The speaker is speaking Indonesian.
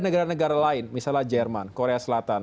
negara negara lain misalnya jerman korea selatan